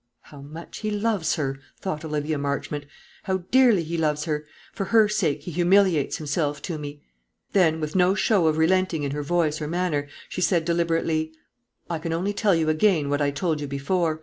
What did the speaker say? "How much he loves her!" thought Olivia Marchmont; "how dearly he loves her! For her sake he humiliates himself to me." Then, with no show of relenting in her voice or manner, she said deliberately: "I can only tell you again what I told you before.